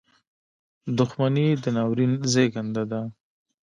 • دښمني د ناورین زېږنده ده.